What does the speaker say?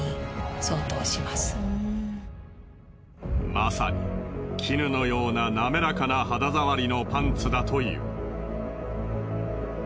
まさに絹のようななめらかな肌触りのパンツだという。